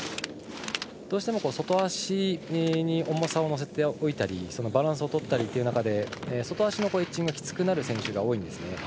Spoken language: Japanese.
どうしても外足に重さを乗せておいたりバランスをとったりという中で外足のエッジがきつくなる選手が多いですね。